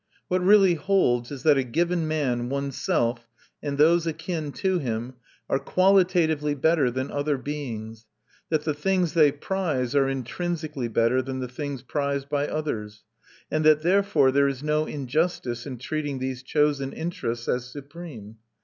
What it really holds is that a given man, oneself, and those akin to him, are qualitatively better than other beings; that the things they prize are intrinsically better than the things prized by others; and that therefore there is no injustice in treating these chosen interests as supreme.